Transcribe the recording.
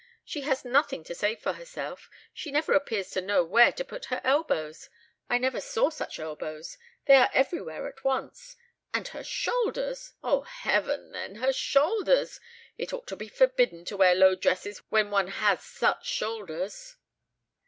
She has nothing to say for herself; she never appears to know where to put her elbows. I never saw such elbows; they are everywhere at once. And her shoulders! O heaven, then, her shoulders! it ought to be forbidden to wear low dresses when one has such shoulders."